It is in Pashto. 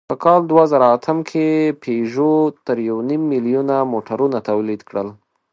په کال دوهزرهاتم کې پيژو تر یونیم میلیونه موټرونه تولید کړل.